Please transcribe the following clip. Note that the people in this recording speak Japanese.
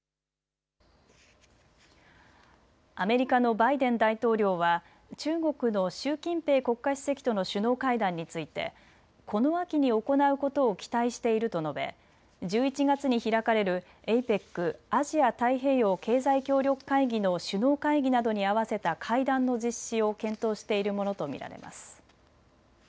アメリカのバイデン大統領は中国の習近平国家主席との首脳会談についてこの秋に行うことを期待していると述べ１１月に開かれるＡＰＥＣ・アジア太平洋経済協力会議の首脳会議などに合わせた会談の実施を検討しているものと見られます。